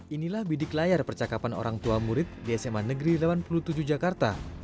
inilah bidik layar percakapan orang tua murid di sma negeri delapan puluh tujuh jakarta